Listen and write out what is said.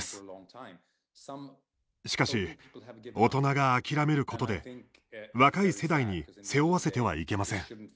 しかし、大人が諦めることで若い世代に背負わせてはいけません。